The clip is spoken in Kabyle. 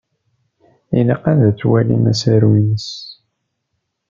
Ilaq ad twalim asaru-ines.